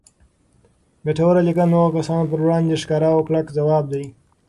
ګټوره لیکنه د هغو کسانو پر وړاندې ښکاره او کلک ځواب دی